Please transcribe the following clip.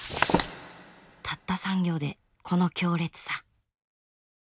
たった３行でこの強烈さ。